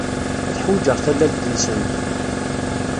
Ad ḥwijeɣ tallalt-nsent.